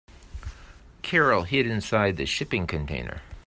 Carol hid inside the shipping container.